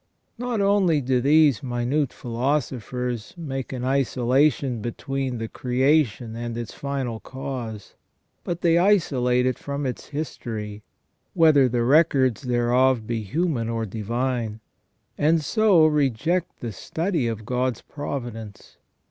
Not only do these minute philosophers make an isolation between the creation and its final cause, but they isolate it from its history, whether the records thereof be human or divine, and so reject the study of God's providence.